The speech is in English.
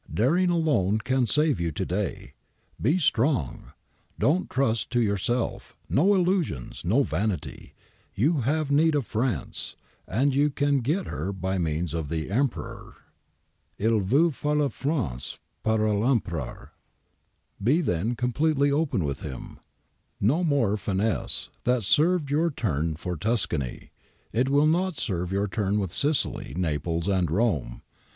... Daring alone can save you to day. Be strong. Don't trust to yourself, no illusions, no vanity, you have need of France and you can get her by means of the Emperor. (// vous faut la France par r Empereur.) Be then completely open with him. No more finesse ; that served your turn for Tuscany ; it will not serve your turn with Sicily, Naples, and Rome.